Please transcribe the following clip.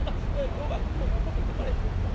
今日はここで泊めてもらいん？